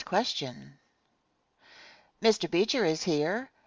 Question. Mr. Beecher is here.